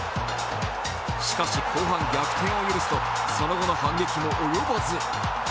しかし、後半逆転を許すと、その後の反撃も及ばず。